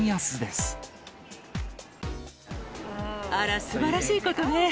あら、すばらしいことね。